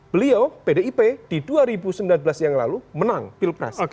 beliau pdip di dua ribu sembilan belas yang lalu menang pilpres